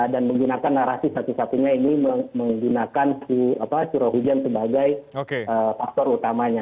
dan menggunakan narasi satu satunya ini menggunakan curah hujan sebagai faktor utamanya